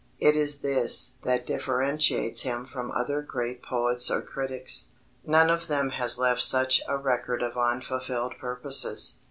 It is this that differentiates him from other great poets or critics. None of them has left such a record of unfulfilled purposes.